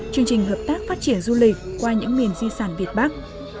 chương trình hợp tác phát triển du lịch qua những miền di sản việt bắc